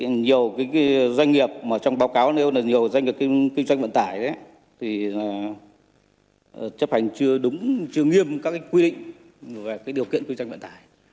nhiều doanh nghiệp trong báo cáo nếu là nhiều doanh nghiệp kinh doanh vận tải thì chấp hành chưa nghiêm các quy định về điều kiện kinh doanh vận tải